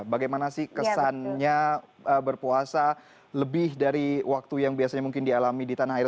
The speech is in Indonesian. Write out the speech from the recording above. bagaimana sih kesannya berpuasa lebih dari waktu yang biasanya mungkin dialami di tanah air